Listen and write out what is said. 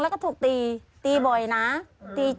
หลังจากนี้จะเอายังไงไปต่อ